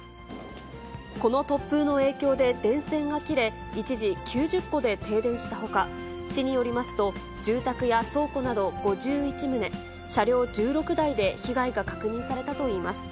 この突風の影響で電線が切れ、一時、９０戸で停電したほか、市によりますと、住宅や倉庫など５１棟、車両１６台で被害が確認されたといいます。